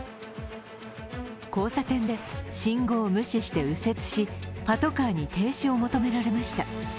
交差点で信号を無視して右折しパトカーに停止を求められました。